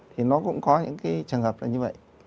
thì nó cũng có những cái trường hợp là như vậy